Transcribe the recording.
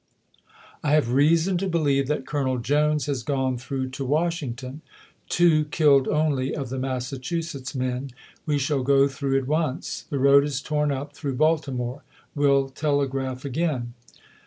" I have reason to believe that Colonel Jones has gone through to Washington. Two killed only of the Massachusetts men. We Butler to shall go through at once. The road is torn up Api.i9,i86'i. through Baltimore. Will telegraph again."